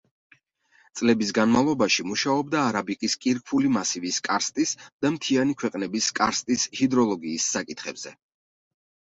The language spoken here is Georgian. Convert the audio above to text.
წლების განმავლობაში მუშაობდა არაბიკის კირქვული მასივის კარსტის და მთიანი ქვეყნების კარსტის ჰიდროლოგიის საკითხებზე.